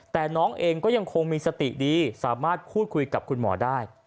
แต่น้องเองก็ยังคงมีสติดีสามารถพูดคุยกับคุณหมอได้